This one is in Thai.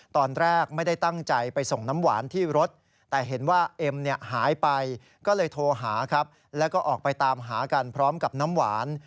ตอนแรกไม่ได้ตั้งใจไปส่งน้ำหวานที่รถแต่เห็นว่าเอ็มเนี่ยหายไปก็เลยโทรหาครับแล้วก็ออกไปตามหากันพร้อมกับน้ำหวาน